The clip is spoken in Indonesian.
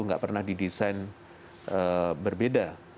nggak pernah didesain berbeda